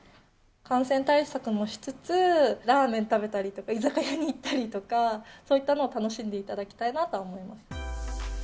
感染対策もしつつ、ラーメン食べたりとか、居酒屋に行ったりとか、そういったのを楽しんでいただきたいなとは思います。